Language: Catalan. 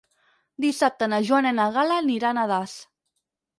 Dissabte na Joana i na Gal·la aniran a Das.